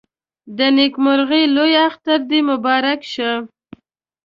د نيکمرغه لوی اختر دې مبارک شه